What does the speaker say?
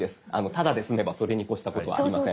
タダで済めばそれに越したことはありません。